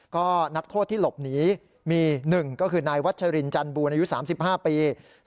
ก็นักโทษที่หลบหนีมี๑ก็คือนายวัชรินจันบูรณอายุ๓๕ปี